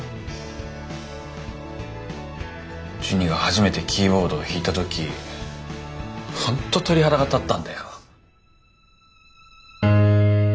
ジュニが初めてキーボードを弾いた時本当鳥肌が立ったんだよ。